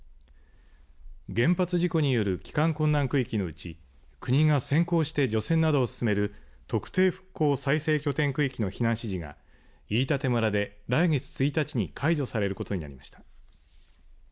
原発事故による帰還困難区域のうち国が先行して除染などを進める特定復興再生拠点区域の避難指示が飯舘村で来月１日に解除されることになりました。